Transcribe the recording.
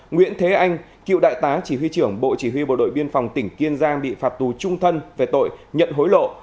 nguyễn thế anh cựu đại tá chỉ huy trưởng bộ chỉ huy bộ đội biên phòng tỉnh kiên giang bị phạt tù trung thân về tội nhận hối lộ